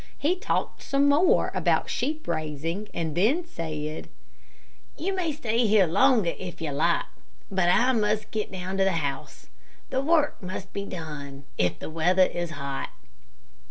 He talked some more about sheep raising; then he said, "You may stay here longer if you like, but I must get down to the house. The work must be done, if the weather is hot."